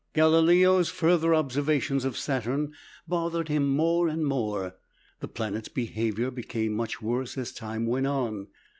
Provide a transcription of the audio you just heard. Galileo's further observations of Saturn bothered him more and more. The planet's behavior became much worse as time went on.